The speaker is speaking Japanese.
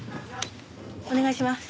お願いします。